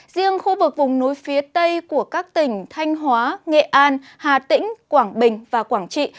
riêng khu vực vùng núi phía tây của các tỉnh thanh hóa nghệ an hà tĩnh quảng bình và quảng trị